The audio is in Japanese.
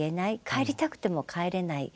帰りたくても帰れない。